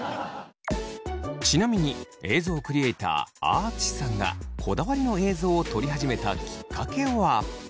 ちなみに映像クリエイターあああつしさんがこだわりの映像を撮り始めたきっかけは。